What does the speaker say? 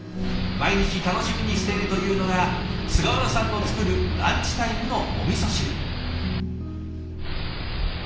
毎日楽しみにしているというのが菅原さんの作るランチタイムのおみそ汁。